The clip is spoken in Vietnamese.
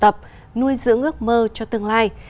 trường học tập nuôi dưỡng ước mơ cho tương lai